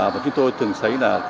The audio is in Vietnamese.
và chúng tôi thường thấy là